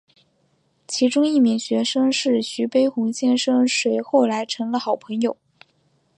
其中一名学生是徐悲鸿先生谁后来成了好朋友。